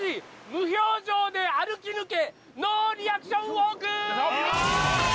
無表情で歩き抜けノーリアクションウォーク！